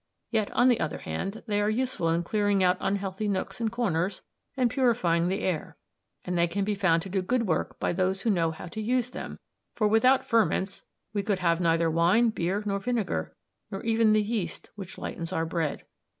Yet, on the other hand, they are useful in clearing out unhealthy nooks and corners, and purifying the air; and they can be made to do good work by those who know how to use them; for without ferments we could have neither wine, beer, nor vinegar, nor even the yeast which lightens our bread.